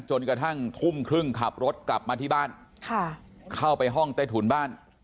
จนกระทั่งทุ่มครึ่งขับรถกลับมาที่บ้านเข้าไปห้องใต้ถุนบ้าน